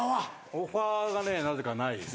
オファーがねなぜかないです。